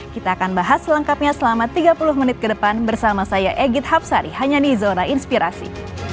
kita akan bahas selengkapnya selama tiga puluh menit ke depan bersama saya egit hapsari hanya nih zona inspirasi